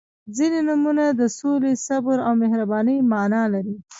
• ځینې نومونه د سولې، صبر او مهربانۍ معنا لري.